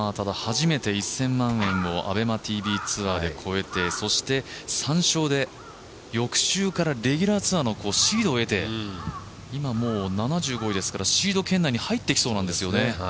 ただ、初めて１０００万アベマティービーツアーで超えてそして、３勝で翌週からレギュラーツアーのシードを得て、今７５位ですからシード圏内に入ってきそうなんですよね。